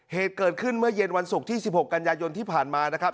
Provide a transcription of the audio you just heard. เหตุเกิดขึ้นเมื่อเย็นวันศุกร์ที่๑๖กันยายนที่ผ่านมานะครับ